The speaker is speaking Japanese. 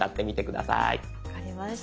分かりました。